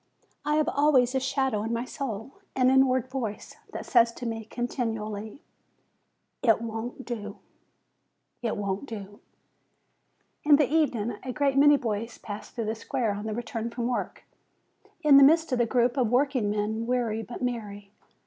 I have always a shadow in my soul, an inward voice, that says to me continually, "It won't do; it won't do/' In the evening I see a great many boys pass through the square on their return from work, in the midst of a group of workingmen, weary but merry.